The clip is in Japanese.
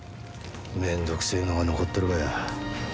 めんどくせえのが残っとるがや。